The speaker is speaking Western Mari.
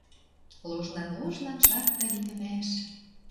Ложнан-ложнан шакта литӹмӓш.